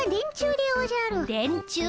でんちゅう？